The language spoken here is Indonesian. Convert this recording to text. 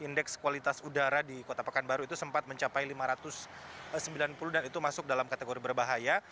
indeks kualitas udara di kota pekanbaru itu sempat mencapai lima ratus sembilan puluh dan itu masuk dalam kategori berbahaya